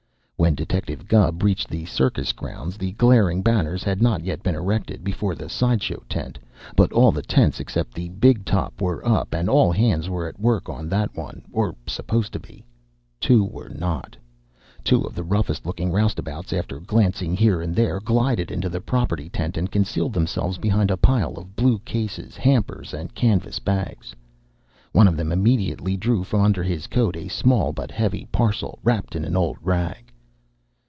When Detective Gubb reached the circus grounds the glaring banners had not yet been erected before the side show tent, but all the tents except the "big top" were up and all hands were at work on that one, or supposed to be. Two were not. Two of the roughest looking roustabouts, after glancing here and there, glided into the property tent and concealed themselves behind a pile of blue cases, hampers, and canvas bags. One of them immediately drew from under his coat a small but heavy parcel wrapped in an old rag.